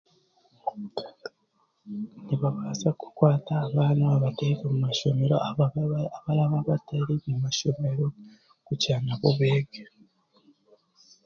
Nibabaasa kukwata abaana babateeke omu mashomero abaraba batari mu mashomero kugira nabo beege.